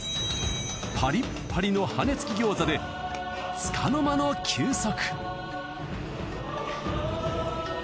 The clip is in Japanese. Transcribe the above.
パリッパリの羽根つき餃子で束の間の休息。